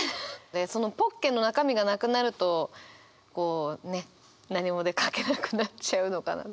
でそのポッケの中身がなくなるとこうね何も書けなくなっちゃうのかな。